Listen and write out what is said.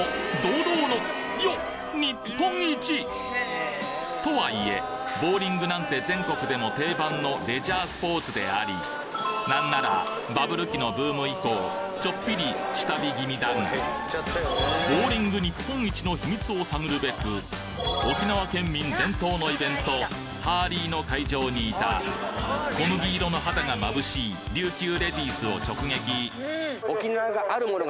日本一とはいえボウリングなんて全国でも定番のレジャースポーツでありなんならバブル期のブーム以降ちょっぴり下火気味だがボウリング日本一の秘密を探るべく沖縄県民伝統のイベントハーリーの会場にいた小麦色の肌が眩しい琉球レディースを直撃エーッ！